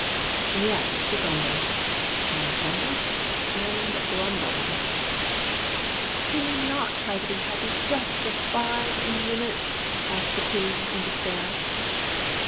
And yet she grumbled and grumbled and grumbled !'' Can you not try to be happy, just for five minutes ?" asked the Queen, in despair.